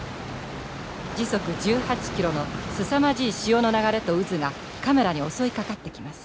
時速１８ｋｍのすさまじい潮の流れと渦がカメラに襲いかかってきます。